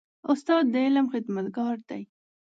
استاد د علم خدمتګار دی.